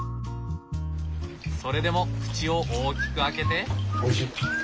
それでも口を大きく開けて。